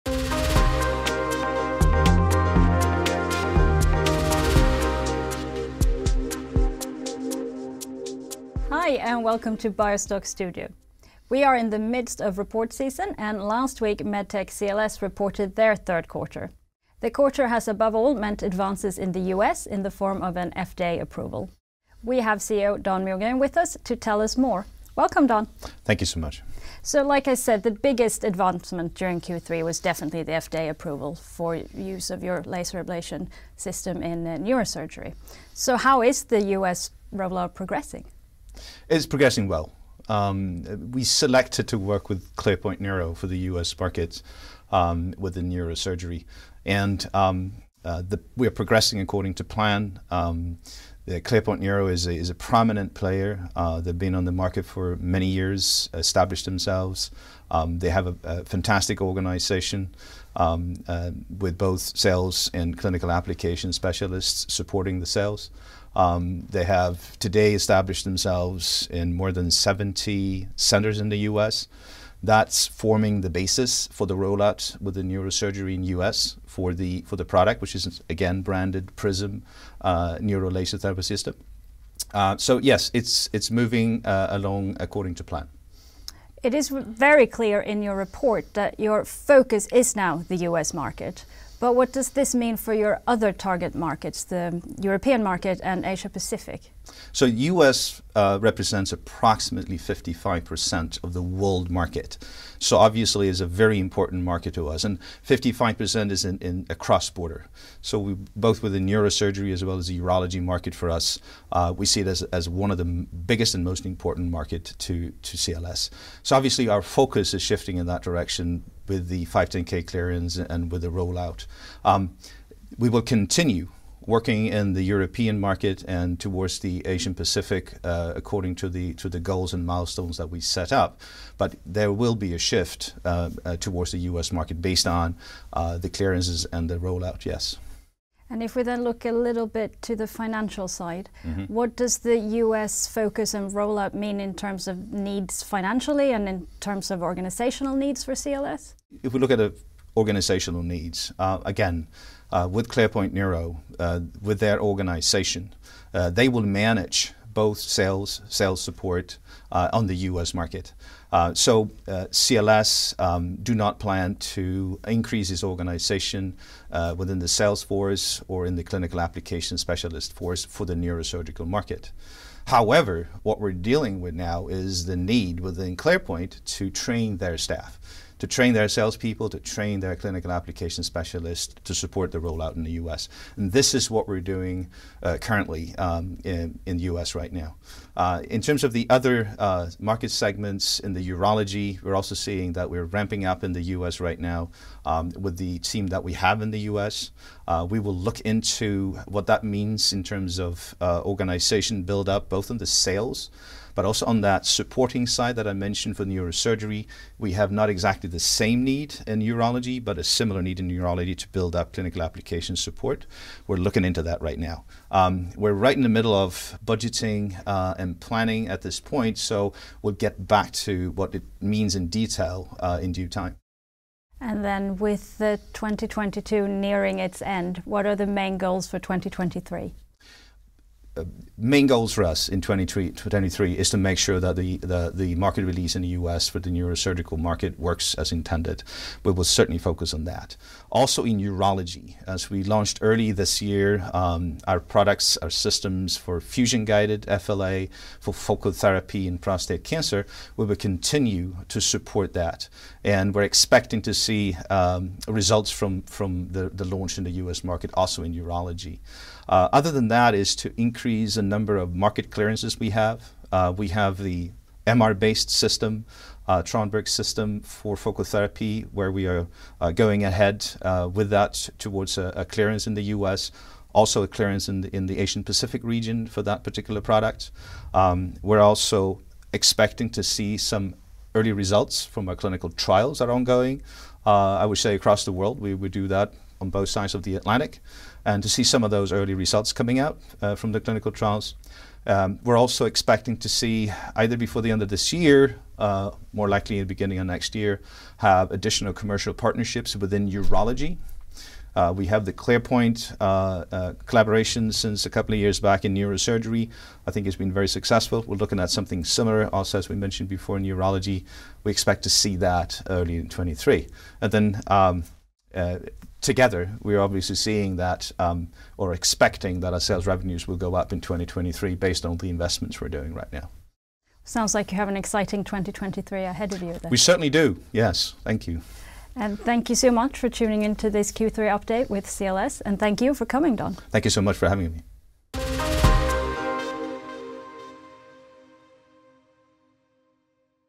Hi, and welcome to BioStock Studio. We are in the midst of report season, and last week, medtech CLS reported their third quarter. The quarter has above all meant advances in the U.S. in the form of an FDA approval. We have CEO Dan Mogren with us to tell us more. Welcome, Dan. Thank you so much. Like I said, the biggest advancement during Q3 was definitely the FDA approval for use of your laser ablation system in neurosurgery. How is the U.S. rollout progressing? It's progressing well. We selected to work with ClearPoint Neuro for the U.S. markets within neurosurgery. We're progressing according to plan. ClearPoint Neuro is a prominent player. They've been on the market for many years, established themselves. They have a fantastic organization with both sales and clinical application specialists supporting the sales. They have today established themselves in more than 70 centers in the U.S. That's forming the basis for the rollout with the neurosurgery in U.S. for the product, which is, again, branded Prism Neuro Laser Therapy System. Yes, it's moving along according to plan. It is very clear in your report that your focus is now the U.S. market. What does this mean for your other target markets, the European market and Asia Pacific? U.S. represents approximately 55% of the world market, so obviously is a very important market to us, and 55% is in across border. Both with the neurosurgery as well as the urology market for us, we see it as one of the biggest and most important market to CLS. Obviously our focus is shifting in that direction with the 510 clearance and with the rollout. We will continue working in the European market and towards the Asian Pacific according to the goals and milestones that we set up, but there will be a shift towards the U.S. market based on the clearances and the rollout, yes. If we then look a little bit to the financial side. Mm-hmm What does the U.S. focus and rollout mean in terms of needs financially and in terms of organizational needs for CLS? If we look at the organizational needs again with ClearPoint Neuro, with their organization, they will manage both sales support on the U.S. market. CLS do not plan to increase its organization within the sales force or in the clinical application specialist force for the neurosurgical market. However, what we're dealing with now is the need within ClearPoint to train their staff, to train their salespeople, to train their clinical application specialists to support the rollout in the U.S. This is what we're doing currently in the U.S. right now. In terms of the other market segments in the urology, we're also seeing that we're ramping up in the U.S. right now with the team that we have in the U.S. We will look into what that means in terms of organization buildup, both on the sales but also on that supporting side that I mentioned for neurosurgery. We have not exactly the same need in urology but a similar need in urology to build up clinical application support. We're looking into that right now. We're right in the middle of budgeting and planning at this point, so we'll get back to what it means in detail in due time. With 2022 nearing its end, what are the main goals for 2023? Uh, main goals for us in '23, 2023, is to make sure that the, the, the market release in the U.S. for the neurosurgical market works as intended. We will certainly focus on that. Also in urology, as we launched early this year, um, our products, our systems for fusion-guided FLA for focal therapy in prostate cancer, we will continue to support that, and we're expecting to see, um, results from, from the, the launch in the U.S. market also in urology. Uh, other than that is to increase the number of market clearances we have. Uh, we have the MR-based system, uh, TRANBERG system for focal therapy, where we are, uh, going ahead, uh, with that towards a, a clearance in the U.S., also a clearance in the, in the Asian Pacific region for that particular product. We're also expecting to see some early results from our clinical trials that are ongoing, I would say across the world. We do that on both sides of the Atlantic, and to see some of those early results coming out from the clinical trials. We're also expecting to see, either before the end of this year, more likely in the beginning of next year, have additional commercial partnerships within urology. We have the ClearPoint collaboration since a couple of years back in neurosurgery. I think it's been very successful. We're looking at something similar also, as we mentioned before, in urology. We expect to see that early in 2023. Together, we're obviously seeing that, or expecting that our sales revenues will go up in 2023 based on the investments we're doing right now. Sounds like you have an exciting 2023 ahead of you then. We certainly do, yes. Thank you. Thank you so much for tuning into this Q3 update with CLS, and thank you for coming, Dan. Thank you so much for having me.